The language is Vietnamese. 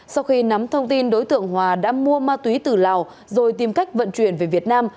sau khi nắm thông tin đối tượng hòa đã mua ma túy từ lào rồi tìm cách vận chuyển về việt nam